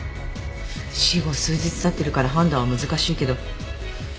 死後数日経ってるから判断は難しいけど。